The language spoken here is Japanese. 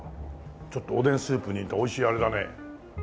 ちょっとおでんスープに似たおいしいあれだね。